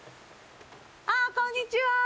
あ、こんにちは。